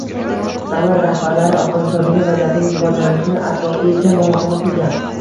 Davlat rahbarlari Afg‘onistondagi vaziyatning rivojlanishini atroflicha muhokama qilgan